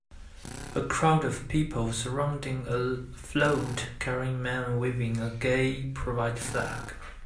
A crowd of people surrounding a float carrying men waving a gay pride flag.